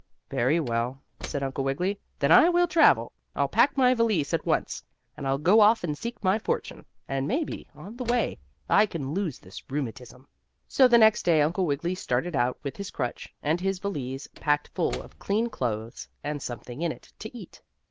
"Very well," said Uncle Wiggily, "then I will travel. I'll pack my valise at once, and I'll go off and seek my fortune, and maybe, on the way, I can lose this rheumatism." So the next day Uncle Wiggily started out with his crutch, and his valise packed full of clean clothes, and something in it to eat.